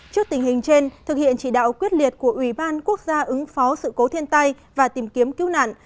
trước tình hình trên thực hiện chỉ đạo quyết liệt của ủy ban quốc gia ứng phó sự cố thiên tai và tìm kiếm cứu nạn